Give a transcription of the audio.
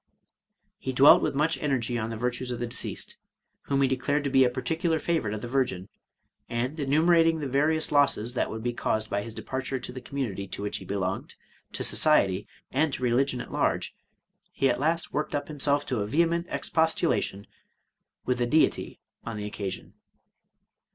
He dwelt with much energy on the virtues of the deceased, whom he declared to be a particular favorite of the Virgin ; and enumerating the vari6us losses that would be caused by his departure to the community to which he belonged, to society, and to religion at large ; he at last worked up him self to a vehement expostulation with the Deity on the oc casion.